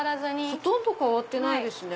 ほとんど変わってないですね。